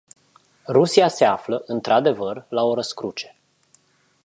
Rusia se află, într-adevăr, la o răscruce.